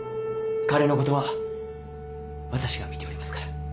彼のことは私が見ておりますから。